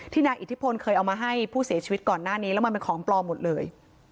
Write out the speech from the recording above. นายอิทธิพลเคยเอามาให้ผู้เสียชีวิตก่อนหน้านี้แล้วมันเป็นของปลอมหมดเลย